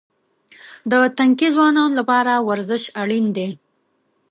د تنکي ځوانانو لپاره ورزش اړین دی.